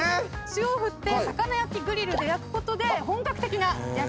塩を振って魚焼きグリルで焼くことで本格的な焼き鳥に。